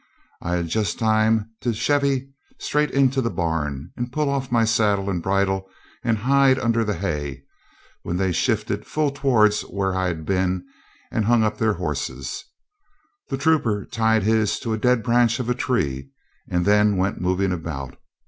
I had just time to chevy straight into the barn and pull off my saddle and bridle and hide under the hay when they shifted full towards where I'd been and then hung up their horses. The trooper tied his to a dead branch of a tree, and then went moving about.